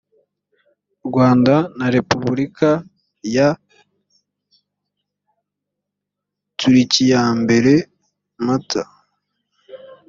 rwanda na repubulika ya turikiyambere mata